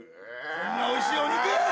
こんなおいしいお肉！